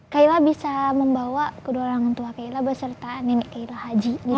kaila bisa membawa kedua orang tua kaila beserta nenek kaila haji